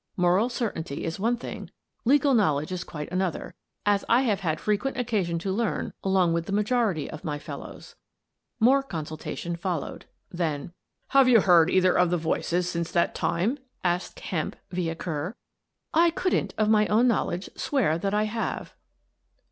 Moral certainty is one thing, legal knowledge is quite an other, as I have had frequent occasion to learn along with the majority of my fellows. More consultation followed. Then: " Have you heard either of the voices since that time?" asked Kemp, via Kerr. " I couldn't, of my own knowledge, swear that I have."